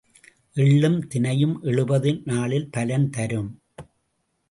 எள்ளும் தினையும் எழுபது நாளில் பலன் தரும்.